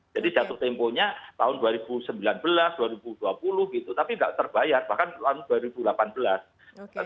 jadi jatuh temponya tahun dua ribu sembilan belas dua ribu dua puluh gitu tapi tidak terbayar bahkan tahun dua ribu delapan belas